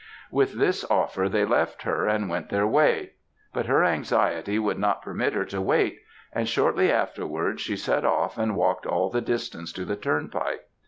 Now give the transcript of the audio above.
"With this offer they left her and went their way; but her anxiety would not permit her to wait; and shortly afterwards she set off and walked all the distance to the turnpike.